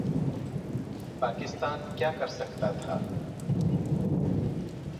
پاکستان کیا کر سکتا تھا؟